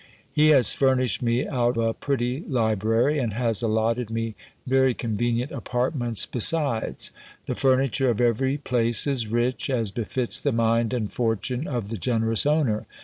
He has furnished me out a pretty library; and has allotted me very convenient apartments besides: the furniture of every place is rich, as befits the mind and fortune of the generous owner.